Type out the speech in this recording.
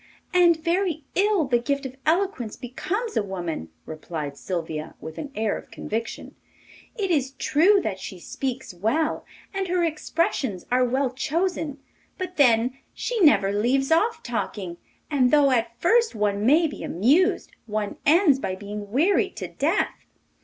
'And very ill the gift of eloquence becomes a woman,' replied Sylvia, with an air of conviction. 'It is true that she speaks well, and her expressions are well chosen; but then she never leaves off talking, and though at first one may be amused, one ends by being wearied to death.